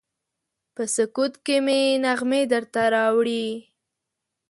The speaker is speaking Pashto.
په سکوت کې مې نغمې درته راوړي